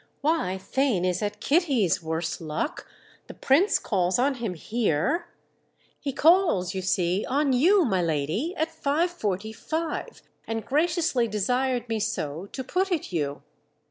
"Why Theign is at Kitty's, worse luck! The Prince calls on him here?" "He calls, you see, on you, my lady—at five forty five; and graciously desired me so to put it you."